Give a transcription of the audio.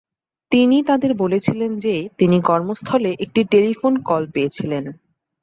তিনি তাদের বলেছিলেন যে তিনি কর্মস্থলে একটি টেলিফোন কল পেয়েছিলেন।